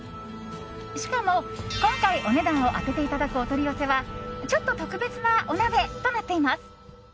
しかも、今回お値段を当てていただくお取り寄せはちょっと特別なお鍋となっています。